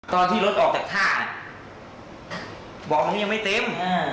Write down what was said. ตอนที่รถออกจากท่าบอกว่ามันยังไม่เต็ม